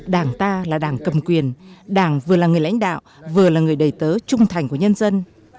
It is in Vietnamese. đảng ta là đảng cầm quyền đảng vừa là người lãnh đạo vừa là người đầy tớ trung thành của nhân dân